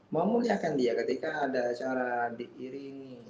memuliakan dia ketika ada cara diiringi